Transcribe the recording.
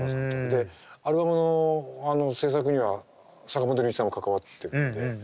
でアルバムの制作には坂本龍一さんも関わってるんで。